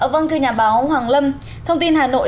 vâng thưa nhà báo hoàng lâm thông tin hà nội